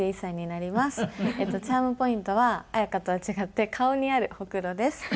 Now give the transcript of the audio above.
チャームポイントはＡＹＡＫＡとは違って顔にあるほくろです。